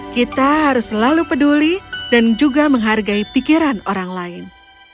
kita harus selalu peduli dan juga menghargai pikiran orang lain